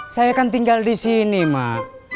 saya kan tinggal disini mah